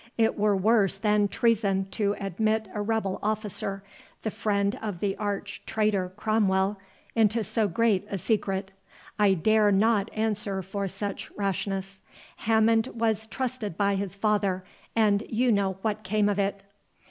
It were worse than treason to admit a rebel officer, the friend of the arch traitor Cromwell, into so great a secret. I dare not answer for such rashness. Hammond was trusted by his father, and you know what came of it."